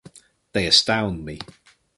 They astound me.